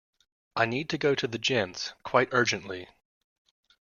I need to go to the gents quite urgently